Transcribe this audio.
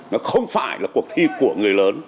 nó không phải là cuộc thi của người lớn